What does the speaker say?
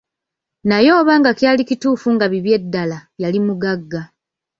Naye oba nga kyali kituufu nga bibye ddala, yali mugagga.